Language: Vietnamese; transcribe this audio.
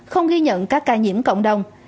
không ghi nhận các ca nhiễm cộng đồng